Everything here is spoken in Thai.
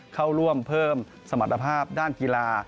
เข้าร่วมเพิ่มสมรรถภาพด้านกีฬา